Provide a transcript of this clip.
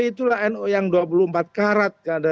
itulah nu yang dua puluh empat karat